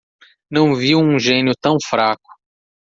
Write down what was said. Não vi um gênio tão fraco